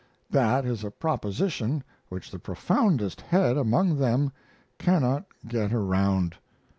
(That is a proposition which the profoundest head among them cannot get around.)